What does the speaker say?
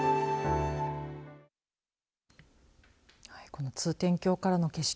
この通天橋からの景色